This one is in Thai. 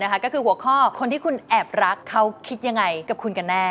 ก็คือหัวข้อคนที่คุณแอบรักเขาคิดยังไงกับคุณกันแน่